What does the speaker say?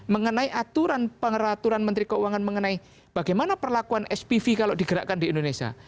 mengenai aturan pengeraturan menteri keuangan mengenai bagaimana perlakuan spv kalau digerakkan di indonesia